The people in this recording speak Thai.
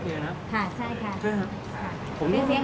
เหนียวนุ่มแต่มะคมน้ำโอเคนะ